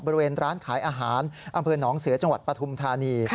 บริเวณร้านขายอาหารอำเภอหนองเสือจังหวัดปฐุมธานี